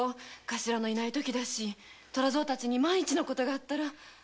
頭もいない時だし虎三たちに万一の事があったら。